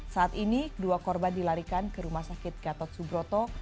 saat ini kedua korban dilarikan ke rumah sakit gatot subroto